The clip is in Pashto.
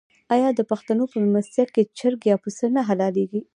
آیا د پښتنو په میلمستیا کې چرګ یا پسه نه حلاليږي؟